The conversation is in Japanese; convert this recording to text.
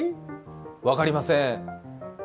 分かりません。